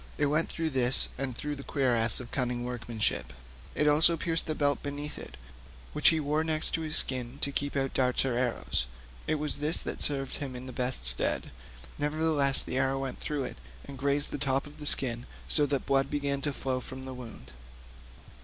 It went right through this and through the cuirass of cunning workmanship; it also pierced the belt beneath it, which he wore next his skin to keep out darts or arrows; it was this that served him in the best stead, nevertheless the arrow went through it and grazed the top of the skin, so that blood began flowing from the wound.